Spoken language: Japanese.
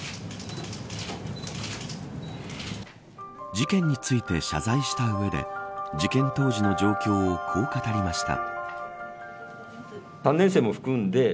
事件について謝罪した上で事件当時の状況をこう語りました。